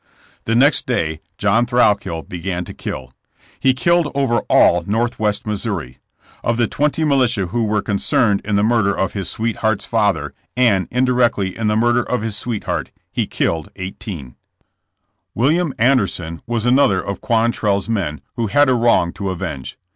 The next day John Thrailkill began to kill. He killed over all Northwest Missouri; of the twenty militia who were concerned in the murder of his sweetheart '«« father, and, indirectly in the murder of his sweetheart, he killed eighteen. CI.OSING DAYS OF THE) BORDER WARFARE. 59 William Anderson was another of Quantrell's men who had a wrong to avenge.